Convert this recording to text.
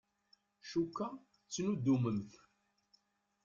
Cukkeɣ tettnuddumemt.